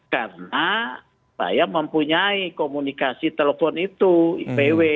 karena saya mempunyai komunikasi telepon itu ipw